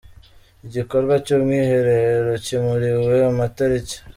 Igikorwa cyumwiherero kimuriwe amatariki